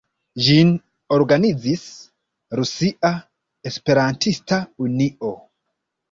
Ĝin organizis Rusia Esperantista Unio.